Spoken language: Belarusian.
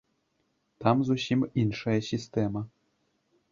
Там зусім іншая сістэма.